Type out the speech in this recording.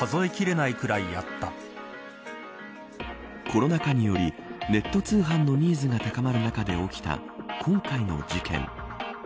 コロナ禍によりネット通販のニーズが高まる中で起きた今回の事件。